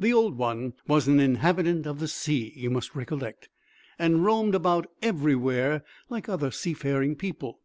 The Old One was an inhabitant of the sea, you must recollect, and roamed about everywhere, like other seafaring people.